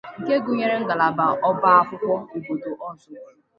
nke gụnyere: ngalaba ọba akwụkwọ obodo Ọzụbụlụ